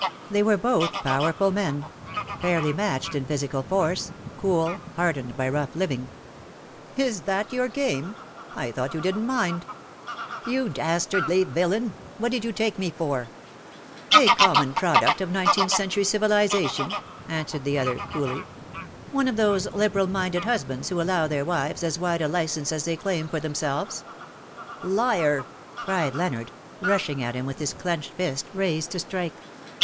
They were both powerful men — fairly matched in physical force, cool, hardened by rough living. " Is that your game ? I thought you didn't mind.^^ 232 " LOVE BORE SUCH BITTER ."You dastardl}^ villain^ what did you take me for r " A common product of nineteenth century civilization/' answered the other, coolly. " One of those liberal minded husbands who allow their wives as wide a license as they claim for them selves/' *^ Liar/' cried Leonard^ rushing at him with his clenched fist raised to strike.